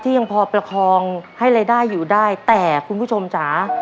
ยังพอประคองให้รายได้อยู่ได้แต่คุณผู้ชมจ๋า